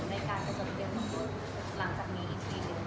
ในการเก็บประเทศทางโรธ